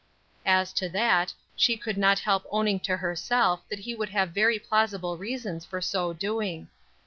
As to that, she could not help owning to herself that he would have very plausible reasons for so doing.